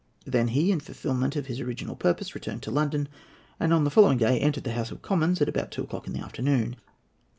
He then, in fulfilment of his original purpose, returned to London, and on the following day entered the House of Commons at about two o'clock in the afternoon.